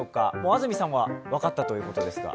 安住さんは分かったということでしょうか？